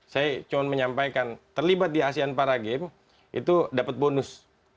saya cuma menyampaikan terlibat di asean para games itu dapat bonus